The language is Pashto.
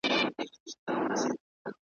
له اغیاره ګوندي راسې.